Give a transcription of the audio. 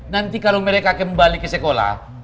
nanti kalau mereka kembali ke sekolah